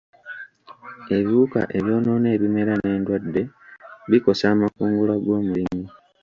Ebiwuka ebyonoona ebimera n'endwadde bikosa amakungula g'omulimi.